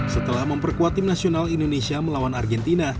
setelah memperkuat tim nasional indonesia melawan argentina